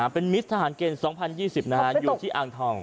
เป็นมิตรทหารเกณฑ์๒๐๒๐อยู่ที่อ่างทอง